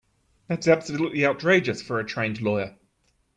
That's absolutely outrageous for a trained lawyer.